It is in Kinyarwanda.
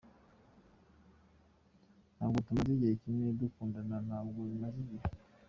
Ntabwo tumaze igihe kinini dukundana, ntabwo bimaze igihe.